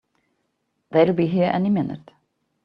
They'll be here any minute!